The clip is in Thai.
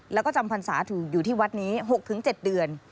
แล้วก็จำพรรษาถูกอยู่ที่วัดนี้๖๗เดือน